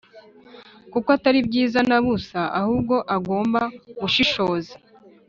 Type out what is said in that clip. Kuko Atari byiza nabusa ahubwo agomba gushishoza.